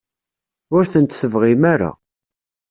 Ur tent-tebɣim ara?